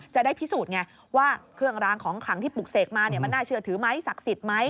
จะได้พิสูจน์ไงว่าเครื่องรางของขลังที่ปลูกเสกมามันน่าเชื่อถือไหมศักดิ์สิทธิ์ไหม